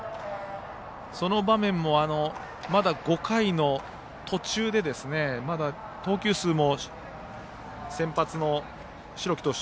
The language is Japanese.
その場面もまだ５回の途中でまだ投球数も先発の代木投手